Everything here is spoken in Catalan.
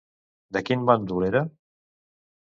De quin bàndol era?